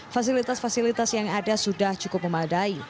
fasilitas fasilitas yang ada sudah cukup memadai